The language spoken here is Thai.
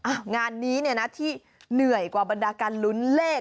งานนี้เนี่ยนะที่เหนื่อยกว่าบรรดาการลุ้นเลข